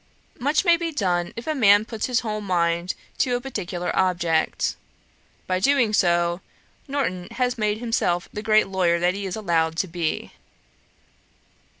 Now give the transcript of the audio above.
'Much may be done if a man puts his whole mind to a particular object. By doing so, Norton has made himself the great lawyer that he is allowed to be.'